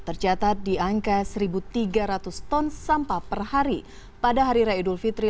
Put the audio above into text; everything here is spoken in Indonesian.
tercatat di angka satu tiga ratus ton sampah per hari pada hari raya idul fitri